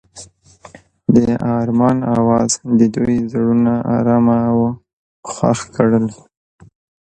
د آرمان اواز د دوی زړونه ارامه او خوښ کړل.